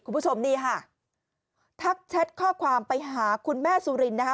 คุณผู้ชมนี่ค่ะทักแชทข้อความไปหาคุณแม่สุรินนะคะ